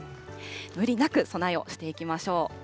無理なく備えをしていきましょう。